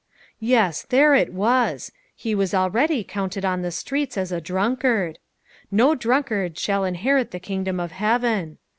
Yes, there it was ! he \vas already, counted on the streets as a drunkard. " No drunkard shall inherit the kingdom of heaven."